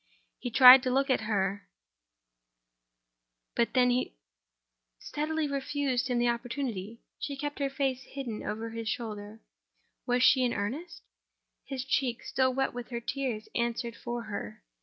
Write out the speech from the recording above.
He tried to look at her—but she steadily refused him the opportunity: she kept her face hidden over his shoulder. Was she in earnest? His cheek, still wet with her tears, answered for her.